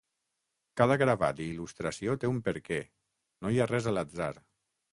Cada gravat i il·lustració té un perquè, no hi ha res a l’atzar.